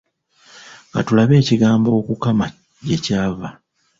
Ka tulabe ekigambo “okukama” gye kyava.